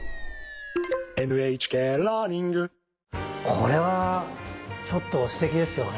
これはちょっとすてきですよね。